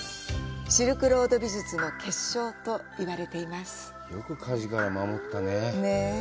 「シルクロード美術の結晶」と言われています。